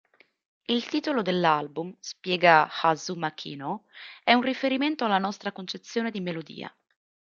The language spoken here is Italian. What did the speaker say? Il titolo dell'album, spiega Kazu Makino, è un "riferimento alla nostra concezione di melodia.